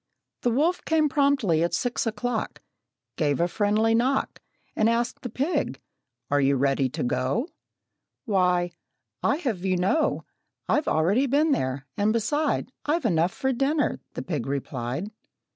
The wolf came promptly at six o'clock, Gave a friendly knock, And asked the pig, "Are you ready to go?" "Why, I'd have you know I've already been there, and beside I've enough for dinner," the pig replied.